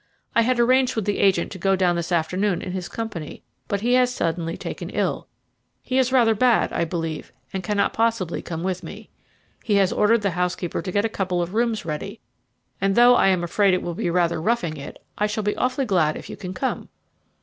I had arranged with the agent to go down this afternoon in his company, but he has been suddenly taken ill he is rather bad, I believe and cannot possibly come with me. He has ordered the housekeeper to get a couple of rooms ready, and though I am afraid it will be rather roughing it, I shall be awfully glad if you can come."